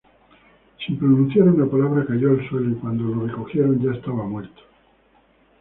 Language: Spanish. Sin pronunciar una palabra cayó al suelo y cuando lo recogieron ya estaba muerto.